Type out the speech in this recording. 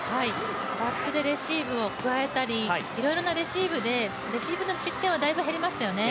バックでレシーブを加えたり、いろいろなレシーブで、レシーブの失点はだいぶ減りましたよね。